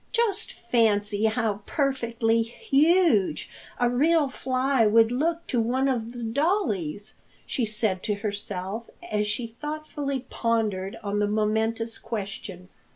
"Just fancy how perfectly huge a real fly would look to one of the dollies!" she said to herself as she thoughtfully pondered on the momentous question.